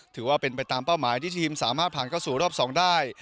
ถือว่าเป็นไปตามเป้าหมายที่ทีมสามารถผ่านเข้าสู่รอบ๒ได้